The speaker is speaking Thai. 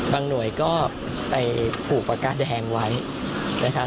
หน่วยก็ไปผูกปากกาแดงไว้นะคะ